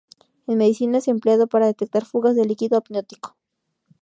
En medicina es empleado para detectar fugas del líquido amniótico.